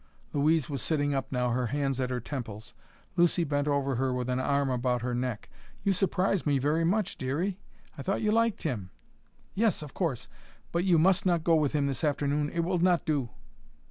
Louise was sitting up now, her hands at her temples. Lucy bent over her with an arm about her neck. "You surprise me very much, Dearie. I thought you liked him." "Yes; of course. But you must not go with him this afternoon. It will not do."